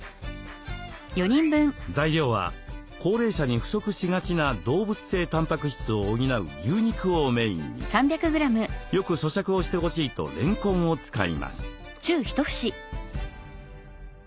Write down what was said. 材料は高齢者に不足しがちな動物性たんぱく質を補う牛肉をメインによくそしゃくをしてほしいとれんこんを使います。